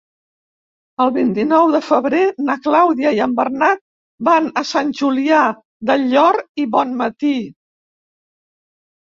El vint-i-nou de febrer na Clàudia i en Bernat van a Sant Julià del Llor i Bonmatí.